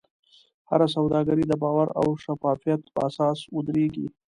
هره سوداګري د باور او شفافیت په اساس ودریږي.